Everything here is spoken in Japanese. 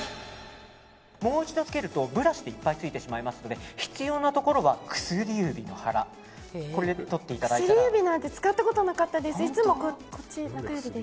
もう一度つけるとブラシでいっぱいついてしまいますので必要なところは薬指の腹で取っていただいて。